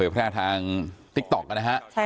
ใช่ค่ะ